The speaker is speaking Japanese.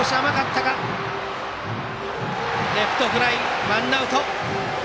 レフトフライでワンアウト。